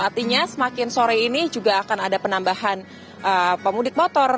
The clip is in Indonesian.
artinya semakin sore ini juga akan ada penambahan pemudik motor